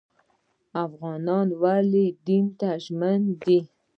افغانان ولې دین ته ژمن دي؟